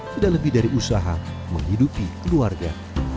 sudah lebih dari usaha menghidupi keluarga